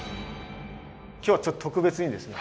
今日はちょっと特別にですね